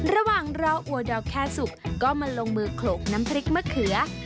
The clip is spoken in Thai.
ระหว่างรออัวดอกแค่สุกก็มาลงมือโขลกน้ำพริกมะเขือ